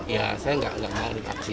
ya saya nggak mau divaksin